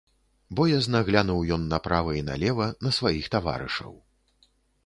Боязна глянуў ён направа і налева на сваіх таварышаў.